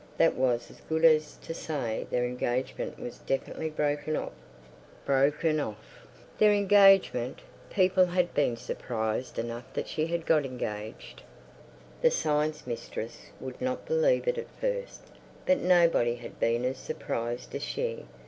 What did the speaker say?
That was as good as to say their engagement was definitely broken off. Broken off! Their engagement! People had been surprised enough that she had got engaged. The Science Mistress would not believe it at first. But nobody had been as surprised as she.